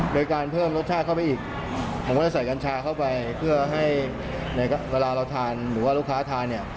โดยการเพิ่มรสชาติเข้าไปอีกผมก็จะใส่กัญชาเข้าไปเพื่อให้ในเวลาเราทานหรือว่าลูกค้าทานเนี่ย